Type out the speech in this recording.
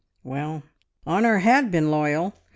Well, Honor had been loyal!